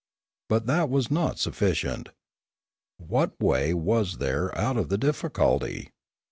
But that was not sufficient. What way was there out of the difficulty?